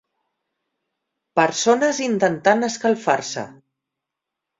Persones intentant escalfar-se.